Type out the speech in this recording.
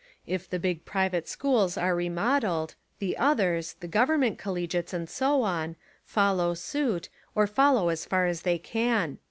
If the big private schools are remodelled, the others — the government col legiates and so on — follow suit, or follow as far as they can.